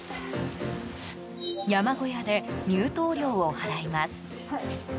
山小屋で入湯料を払います。